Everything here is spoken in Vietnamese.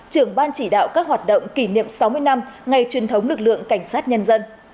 trưởng ban chỉ đạo các hoạt động kỷ niệm sáu mươi năm ngày truyền thống lực lượng cảnh sát nhân dân